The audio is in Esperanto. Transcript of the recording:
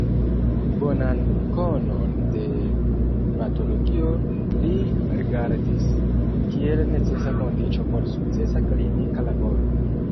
Bonan konon de patologio li rigardis kiel necesa kondiĉo por sukcesa klinika laboro.